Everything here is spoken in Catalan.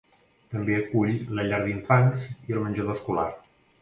També acull la llar d'infants i el menjador escolar.